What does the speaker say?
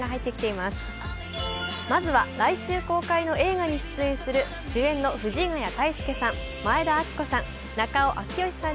まずは、来週公開の映画に出演する主演の藤ヶ谷太輔さん前田敦子さん